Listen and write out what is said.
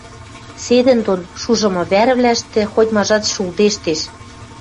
Седӹндон шужымы вӓрвлӓштӹ хоть-мажат шулдештеш